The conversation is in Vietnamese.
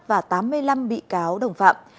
và tám mươi năm bị cáo đồng phạm